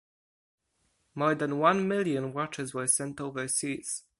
More than one million watches were sent overseas.